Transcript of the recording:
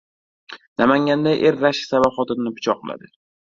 Namanganda er rashk sabab xotinini pichoqladi